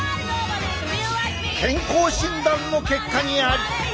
健康診断の結果にあり！